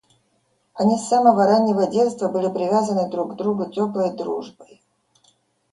Они с самого раннего детства были привязаны друг к другу теплой дружбой.